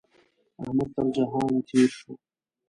احمد تر جهان تېر شو.